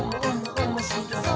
おもしろそう！」